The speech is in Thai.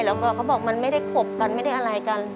แล้วก็เขาบอกมันไม่ได้ขบกันไม่ได้อะไรกัน